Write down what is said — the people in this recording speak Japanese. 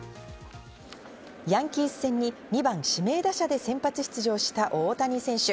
ヤンキース戦に２番・指名打者で先発出場した大谷選手。